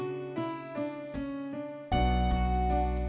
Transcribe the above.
iya amin tuhan